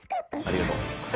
ありがとう。